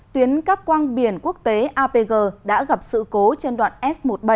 tuyến cắp quang biển quốc tế apg đã gặp sự cố trên đoạn s một mươi bảy